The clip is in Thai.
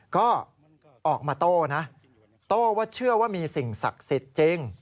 ก็ออกมาโต้นะโต้ว่าเชื่อว่ามีสิ่งศักดิ์สิทธิ์จริง